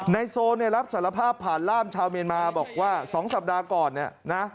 ในโซรับสารภาพผ่านร่ามชาวเมียนมาบอกว่า๒สัปดาห์ก่อนนะ